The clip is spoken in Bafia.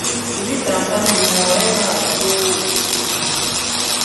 Bi bitamtam dhi waarèna a tsog ki birim.